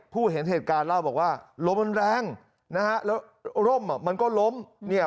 เห็นเหตุการณ์เล่าบอกว่าลมมันแรงนะฮะแล้วร่มอ่ะมันก็ล้มเนี่ย